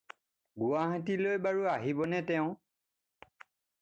গুৱাহাটীলৈ বাৰু আহিবনে তেওঁ?